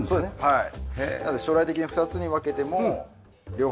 はい。